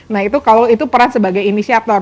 nah itu kalau itu peran sebagai inisiator